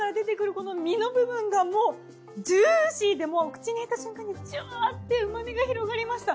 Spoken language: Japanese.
この身の部分がもうジューシーでもう口に入れた瞬間にジュワッて旨みが広がりました。